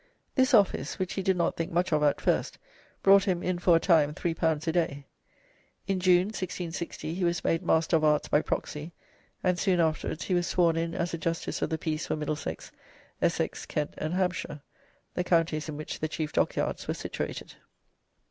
This office, which he did not think much of at first, brought him "in for a time L3 a day." In June, 1660, he was made Master of Arts by proxy, and soon afterwards he was sworn in as a justice of the Peace for Middlesex, Essex, Kent, and Hampshire, the counties in which the chief dockyards were situated.